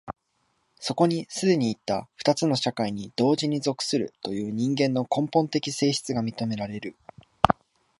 そこに既にいった二つの社会に同時に属するという人間の根本的性質が認められる。